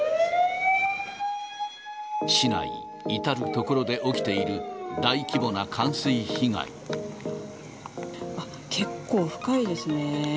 市内、至る所で起きている大あっ、結構深いですね。